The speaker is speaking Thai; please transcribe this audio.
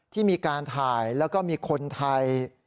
ที่มีการถ่ายแล้วก็มีคนไทย